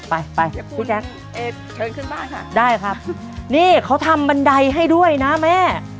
ไปไปพี่แจ๊คเอกเชิญขึ้นบ้านค่ะได้ครับนี่เขาทำบันไดให้ด้วยนะแม่